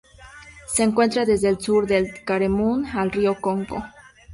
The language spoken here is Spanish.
Se encuentra desde el sur del Camerún al río Congo.